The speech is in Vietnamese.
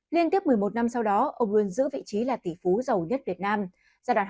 liên tiếp một mươi một năm sau đó ông luôn giữ vị trí là tỷ phú giàu nhất việt nam